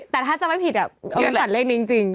แต่ถ้าจำไม่ผิดอ่ะเอามิ้นฝันเลขนี้จริง